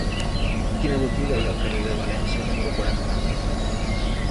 Quina botiga hi ha al carrer de València número quaranta?